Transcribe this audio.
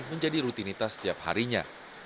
menjadi rutinitas setiap harinya